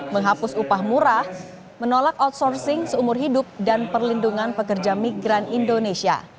menghapus upah murah menolak outsourcing seumur hidup dan perlindungan pekerja migran indonesia